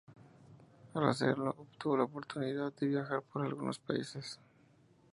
Al hacerlo, obtuvo la oportunidad de viajar por algunos países latinoamericanos.